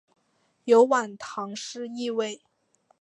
有晚唐诗意味。